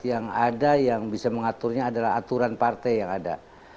yang ada yang bisa mengaturnya adalah aturan partai yang ada